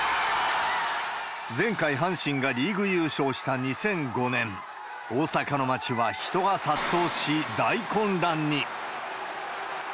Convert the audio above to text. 前回、阪神がリーグ優勝した２００５年、大阪の街は人が殺到し、大混乱に。